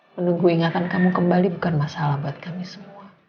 menunggu ingatan kamu kembali bukan masalah buat kami semua